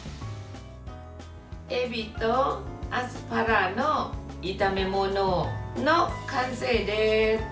えびとアスパラの炒めものの完成です。